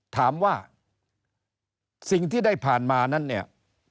ถามว่าสิ่งที่ได้ผ่านมานั้นเนี่ย